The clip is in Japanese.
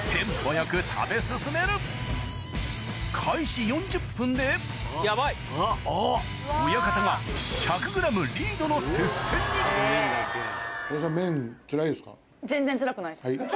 よく食べ進める親方が１００ｇリードの接戦にはい。